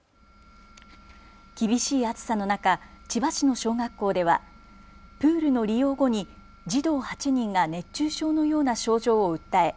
厳しい暑さの中千葉市の小学校ではプールの利用後に児童８人が熱中症のような症状を訴え